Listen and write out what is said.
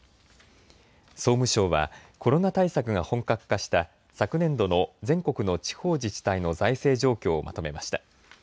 総務省はコロナ対策が本格化した昨年度の全国の地方自治体の財政状況をまとめました。